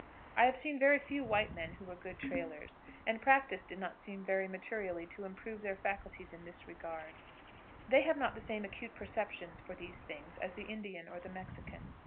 I have seen very few white men who were good trailers, and practice did not seem very materially to improve their faculties in this regard; they have not the same acute perceptions for these things as the Indian or the Mexican.